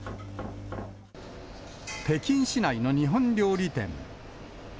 北京市内の日本料理店。